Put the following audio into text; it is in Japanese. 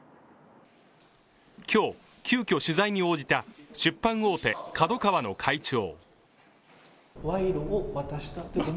今日、急きょ取材に応じた出版大手ＫＡＤＯＫＡＷＡの会長。